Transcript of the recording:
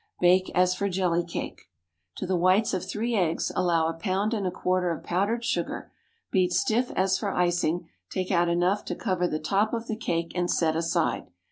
Bake as for jelly cake. To the whites of three eggs allow a pound and a quarter of powdered sugar; beat stiff as for icing, take out enough to cover the top of the cake and set aside.